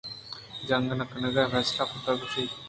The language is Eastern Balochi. جنگ نہ کنگ ئے فیصلہ کُتگ ءُ گوٛشتگ